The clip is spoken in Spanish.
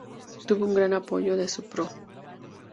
Tuvo un gran apoyo de su Pro.